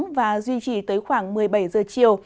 trời có nắng từ sáng và duy trì tới khoảng một mươi bảy giờ chiều